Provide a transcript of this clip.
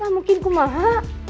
ya mungkin kumaha